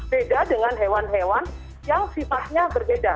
beda dengan hewan hewan yang sifatnya berbeda